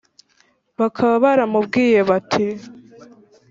Bakaba baramubwiye bati”